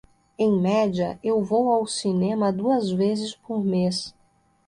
Em média, eu vou ao cinema duas vezes por mês.